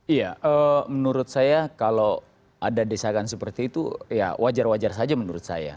iya menurut saya kalau ada desakan seperti itu ya wajar wajar saja menurut saya